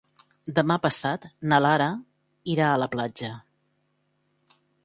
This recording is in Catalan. Demà passat na Lara irà a la platja.